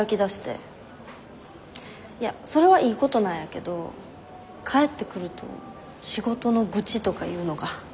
いやそれはいいことなんやけど帰ってくると仕事の愚痴とか言うのが。